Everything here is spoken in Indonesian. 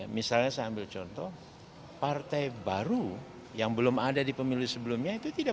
misalnya saya ambil contoh partai baru yang belum ada di pemilu sebelumnya itu tidak